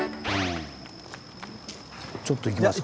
ちょっと行きますか。